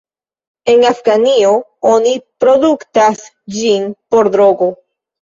En Afganio oni produktas ĝin por drogo.